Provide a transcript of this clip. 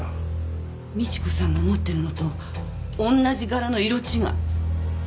美知子さんが持ってるのとおんなじ柄の色違い。